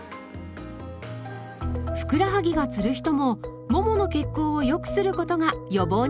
ふくらはぎがつる人もももの血行を良くすることが予防につながります。